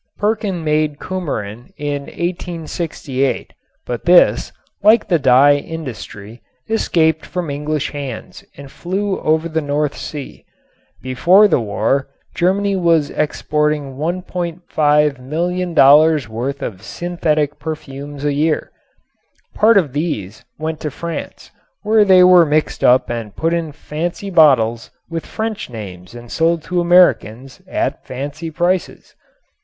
Perkin made cumarin in 1868, but this, like the dye industry, escaped from English hands and flew over the North Sea. Before the war Germany was exporting $1,500,000 worth of synthetic perfumes a year. Part of these went to France, where they were mixed and put up in fancy bottles with French names and sold to Americans at fancy prices.